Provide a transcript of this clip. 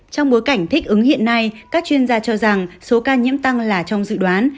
trong bối cảnh thích ứng hiện nay các chuyên gia cho rằng số ca nhiễm tăng là trong dự đoán